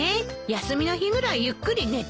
休みの日ぐらいゆっくり寝ていたいし。